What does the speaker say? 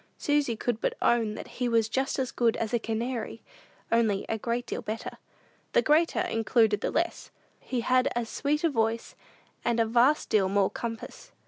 Susy could but own that he was just as good as a canary, only a great deal better. "The greater included the less." He had as sweet a voice, and a vast deal more compass.